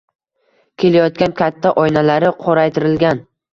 Kelayotgan katta oynalari qoraytirilgan